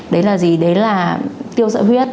đấy là gì đấy là tiêu sợi huyết